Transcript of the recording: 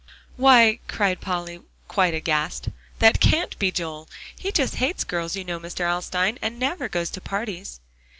"Why!" cried Polly quite aghast, "that can't be Joel. He just hates girls, you know, Mr. Alstyne, and never goes to parties."